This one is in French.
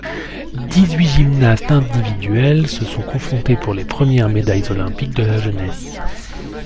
Dix-huit gymnastes individuelles se sont confrontées pour les premières médailles olympiques de la jeunesse.